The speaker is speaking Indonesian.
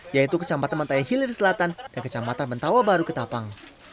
yaitu kecamatan mentai hilir selatan dan kecamatan mentawa baru ketapang